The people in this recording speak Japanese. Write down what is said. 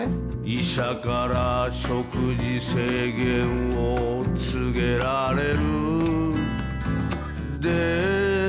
「医者から食事制限を告げられるでも」